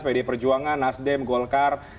pdi perjuangan nasdem golkar